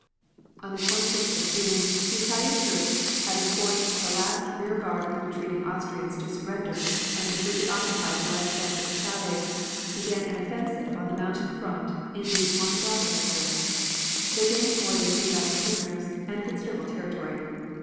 On the 26th of June the Italian troops, having forced the last rear guard of the retreating Austrians to surrender and completely occupied the west bank of the Piave, began an offensive on the mountain front in the Monte Grappa sector. They gained more than 3,000 prisoners, and considerable territory.